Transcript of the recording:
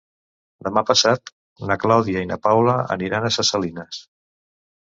Demà passat na Clàudia i na Paula aniran a Ses Salines.